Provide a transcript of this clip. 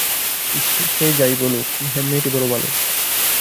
যে যাই বলুক, হেম মেয়েটি বড়ো ভালো।